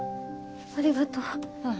ありがとう。